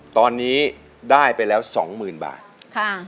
ตอนนี้ได้ไปแล้ว๒๐๐๐๐บาท